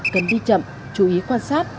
cần đi chậm chú ý quan sát